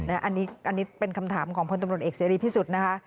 อันนี้เป็นคำถามของพลตำรวจเอกเสรีพิสุทธิ์นะคะ